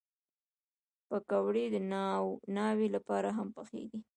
پکورې د ناوې لپاره هم پخېږي